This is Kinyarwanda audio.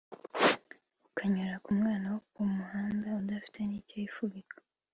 ukanyura ku mwana wo ku muhanda udafite n’icyo yifubika